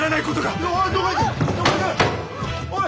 おい！